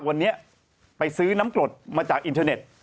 วันนี้ไปซื้อน้ำกรดมาจากอินเทอร์เน็ต